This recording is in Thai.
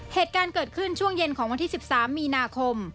เหตุการณ์เกิดขึ้นช่วงเย็นของวันที่๑๓มีนาคม